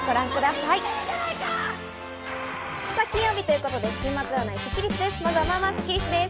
さぁ金曜日ということで週末占いスッキりすの時間です。